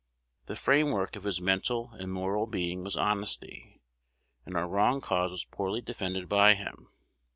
The framework of his mental and moral being was honesty, and a wrong cause was poorly defended by him.